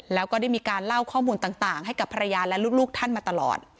แล้วก็ได้มีการเล่าข้อมูลต่างให้กับภรรยาและลูกท่านมาตลอด